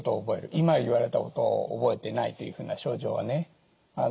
今言われたことを覚えてないというふうな症状はね